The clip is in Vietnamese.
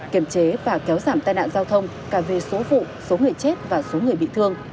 kiểm chế và kéo giảm tai nạn giao thông cả về số vụ số người chết và số người bị thương